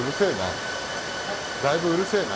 だいぶうるせえな。